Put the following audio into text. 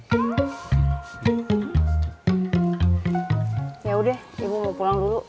ibu mau pulang dulu